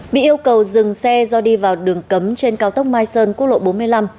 bị yêu cầu dừng xe do đi vào đường cấm trên cao tốc mai sơn quốc lộ bốn mươi năm